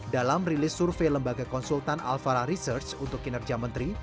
dalam rilis survei lembaga konsultan alfara research untuk kinerja menteri